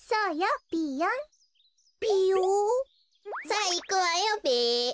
さあいくわよべ。